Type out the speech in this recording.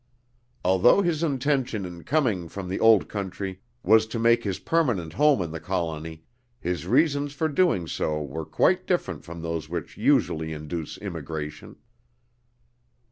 Although his intention in coming from the old country was to make his permanent home in the colony, his reasons for doing so were quite different from those which usually induce immigration.